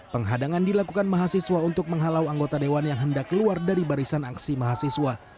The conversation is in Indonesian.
penghadangan dilakukan mahasiswa untuk menghalau anggota dewan yang hendak keluar dari barisan aksi mahasiswa